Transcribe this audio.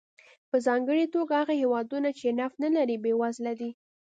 په ځانګړې توګه هغه هېوادونه چې نفت نه لري بېوزله دي.